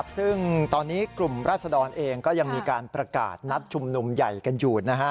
ซึ่งตอนนี้กลุ่มราศดรเองก็ยังมีการประกาศนัดชุมนุมใหญ่กันอยู่